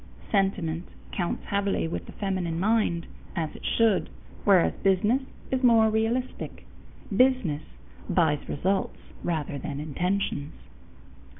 Sentiment counts heavily with the feminine mind, as it should, whereas business is more realistic. Business buys results rather than intentions.